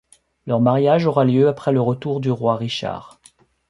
Leur mariage aura lieu après le retour du roi Richard.